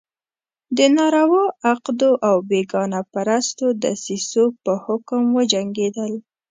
د ناروا عقدو او بېګانه پرستو دسیسو په حکم وجنګېدل.